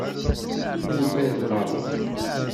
Nuged merra.